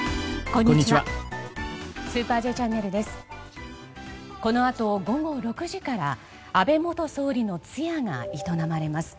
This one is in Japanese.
このあと午後６時から安倍元総理の通夜が営まれます。